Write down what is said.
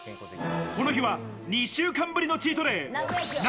この日は２週間ぶりのチートデイ。